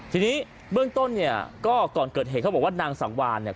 ทีนี้เบื้องต้นเนี่ยก็ก่อนเกิดเหตุเขาบอกว่านางสังวานเนี่ย